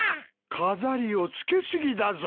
飾りを付けすぎだぞ。